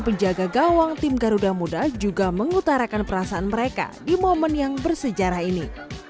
penjaga gawang tim garuda muda juga mengutarakan perasaan mereka di momen yang bersejarah ini